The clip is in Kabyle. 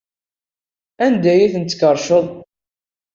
Anda ay tent-tkerrceḍ?